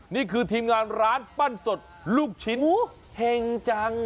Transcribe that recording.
นี่คือทีมงานร้านปั้นสดลูกชิ้นเห็งจัง